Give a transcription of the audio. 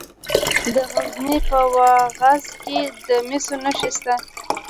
د غزني په واغظ کې د مسو نښې شته.